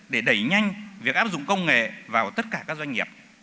để đẩy nhanh việc áp dụng công nghệ vào tất cả các doanh nghiệp